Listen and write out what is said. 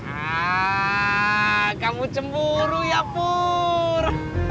ah kamu cemburu ya pur